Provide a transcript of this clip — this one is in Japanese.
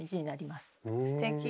すてき。